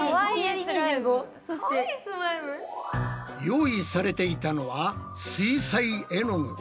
用意されていたのは水彩絵の具。